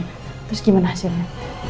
terus gimana hasilnya